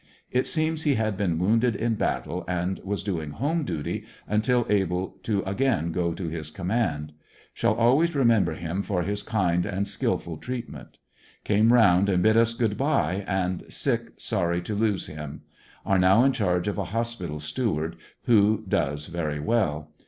It seems he had been wounded in battle and was doing home duty until able to again go to his com mand. Shall always remember him for his kind and skillful treat ment. Came round and bid us all good bye, and sick sorry to. lose him. Are now in charge of a hospital steward, who does very well.